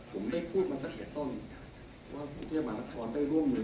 ผมได้พูดมาตั้งแต่ต้นว่ากูได้มารับทรวมได้ร่วมมือ